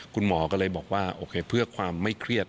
คุณหมอก็เลยบอกว่าโอเคเพื่อความไม่เครียด